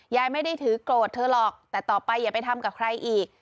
ยายไม่ได้ถือโกรธเธอหรอกแต่ต่อไปอย่าไปทำกับใครอีก